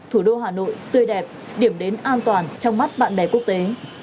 hà nội tươi đẹp điểm đến an toàn trong mắt bạn bè quốc tế